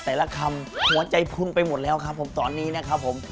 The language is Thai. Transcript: แต่ละคำหัวใจพุนไปหมดแล้วครับผมตอนนี้นะครับผม